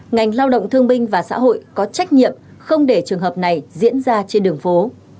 ngành lao động thương binh và xã hội có trách nhiệm không để trường hợp này diễn ra trên đường phố